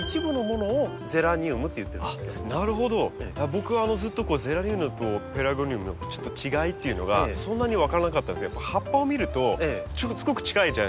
僕はずっとゼラニウムとペラルゴニウムの違いっていうのがそんなに分からなかったんですけどやっぱ葉っぱを見るとすごく近いじゃないですか。